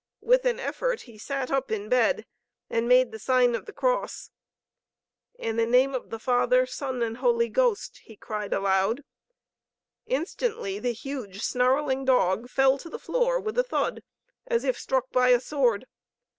With an effort, he sat up in bed and made the sign of the cross. "In the name of the Father, Son and Holy Ghost!" he cried aloud. Instantly the huge, snarling dog fell to the floor with a thud as if struck by a sword.